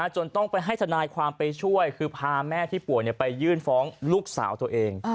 จนต้องไปให้ทนายความไปช่วยคือพาแม่ที่ป่วยไปยื่นฟ้องลูกสาวตัวเอง